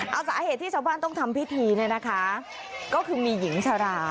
เอาสาเหตุที่ชาวบ้านต้องทำพิธีเนี่ยนะคะก็คือมีหญิงชรา